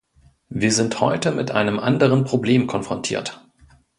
Wir sind heute mit einem anderen Problem konfrontiert.